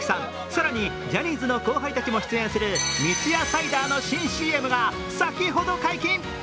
更にジャニーズの後輩たちも出演する三ツ矢サイダーの新ＣＭが先ほど解禁。